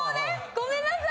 ごめんなさい！